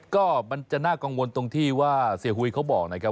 ก็มันจะน่ากังวลตรงที่ว่าเสียหุยเขาบอกนะครับ